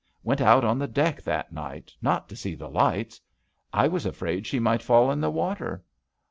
Went out on the deck that night, not to see the lights — I was afraid she might fall in the water."